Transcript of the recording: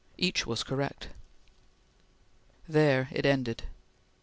Each was correct. There it ended!